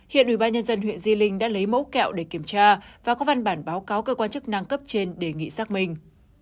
hiện ubnd huyện di linh đã lấy mẫu kẹo để kiểm tra và có văn bản báo cáo cơ quan chức năng cấp trên đề nghị xác minh